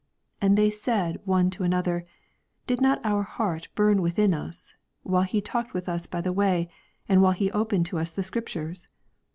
82 And thev said one to another, Did not our heart burn within us, while he talked with us by the way, and while he opened to us the Scrip tures